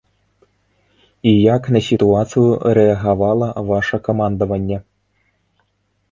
І як на сітуацыю рэагавала ваша камандаванне?